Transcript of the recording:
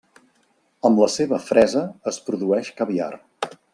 Amb la seva fresa es produeix caviar.